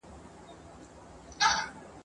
په خوله خوږ وو په زړه کوږ وو ډېر مکار وو !.